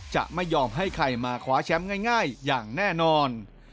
จะไม่ยอมให้ใครมาคว้าแชมป์ง่ายอย่างแน่นอน